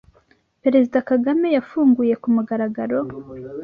Perezida Kagame yafunguye ku mugaragaro